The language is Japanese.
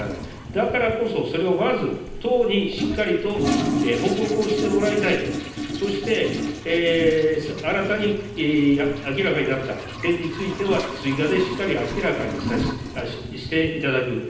だからこそ、それをまず、党にしっかりと報告をしてもらいたいと、そして、新たに明らかになった点については、追加でしっかり明らかにしていただく。